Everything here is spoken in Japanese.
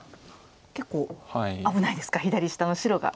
結構危ないですか左下の白が。